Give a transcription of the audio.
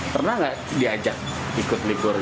pernah nggak diajak ikut libur